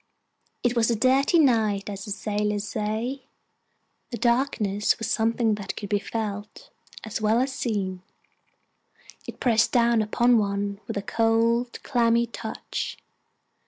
It was a dirty night, as the sailors say. The darkness was something that could be felt as well as seen it pressed down upon one with a cold, clammy touch.